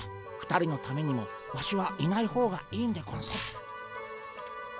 ２人のためにもワシはいない方がいいんでゴンス。